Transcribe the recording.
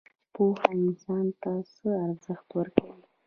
پوهه انسان ته څه ارزښت ورکوي؟